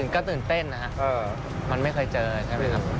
ก็ตื่นเต้นนะมันไม่เคยเจอครับ